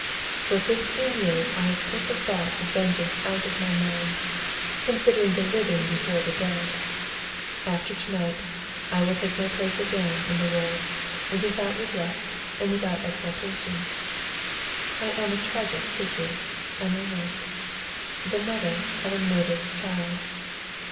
For fifteen years I have put the thought of vengeance out of my mind, considering the living before the dead. After to night I will take my place again in the world, without regret and without exultation I am a tragic figure, am I not? the mother of a murdered child.